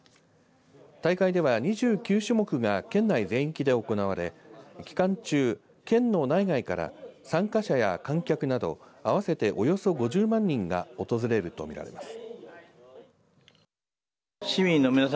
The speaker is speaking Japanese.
大会では２９種目が県内全域で行われ、期間中県の内外から参加者や観客など合わせておよそ５０万人が訪れると見られます。